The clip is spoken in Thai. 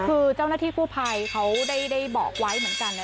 คือเจ้าหน้าที่กู้ภัยเขาได้บอกไว้เหมือนกันนะ